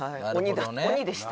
鬼でした。